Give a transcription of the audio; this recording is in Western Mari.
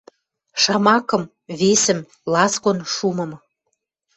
Шамакым, весӹм, ласкон шумым